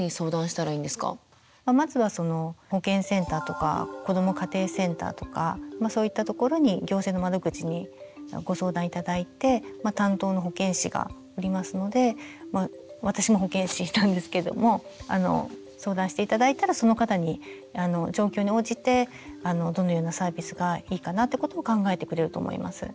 まずはその保健センターとかこども家庭センターとかそういったところに行政の窓口にご相談頂いて担当の保健師がおりますので私も保健師したんですけども相談して頂いたらその方に状況に応じてどのようなサービスがいいかなってことを考えてくれると思います。